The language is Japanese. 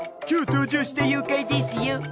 今日登場した妖怪ですよ。